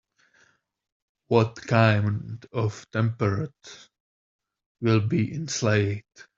What kind of temperate will be in Slade?